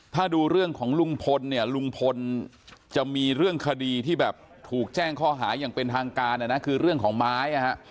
ถ้าดูเรื่องของลุงพลเนี่ยลุงพลจะมีเรื่องคดีที่แบบถูกแจ้งข้อหาอย่างเป็นทางการนะนะคือเรื่องของไม้นะฮะ